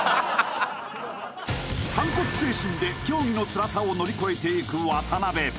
反骨精神で競技のつらさを乗り越えていく渡辺